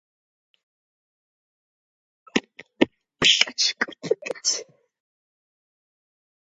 ვადამდელ საპრეზიდენტო არჩევნებში მხარს უჭერდა ლევან გაჩეჩილაძეს.